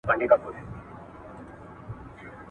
پرمختللې ټکنالوژي د پانګي د مؤثر کارونې لامل کېږي.